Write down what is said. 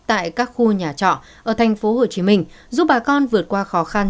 tại các khu nhà trọ ở thành phố hồ chí minh giúp bà con vượt qua khó khăn